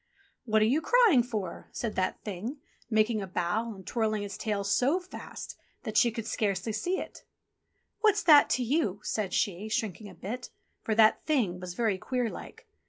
"What are you crying for?" said that Thing, making \^ 30 ENGLISH FAIRY TALES a bow, and twirling its tail so fast that she could scarcely see it. "What's that to you?" said she, shrinking a bit, for that Thing was very queer like.